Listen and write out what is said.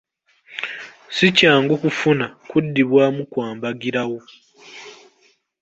Si kyangu kufuna kuddibwamu kwa mbagirawo.